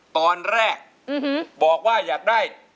ตอนแรกบอกว่าอยากได้